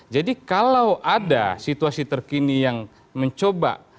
jadi kalau ada situasi terkini yang mencoba